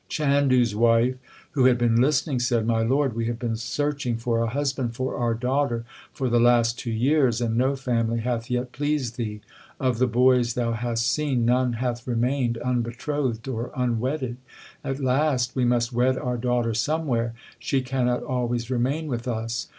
Chandu s wife who had been listening said, My lord, we have been searching for a husband for our daughter for the last two years, and no family hath yet pleased thee. Of the boys thou hast seen none hath remained unbetrothed or unwedded. At last we must wed our daughter somewhere. She cannot always remain with us.